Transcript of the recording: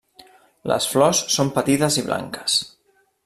Les flors són petites i blanques.